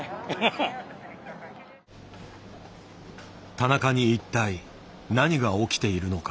田中に一体何が起きているのか。